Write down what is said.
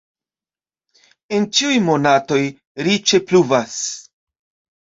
En ĉiuj monatoj riĉe pluvas.